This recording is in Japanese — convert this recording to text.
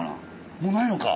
もうないのか？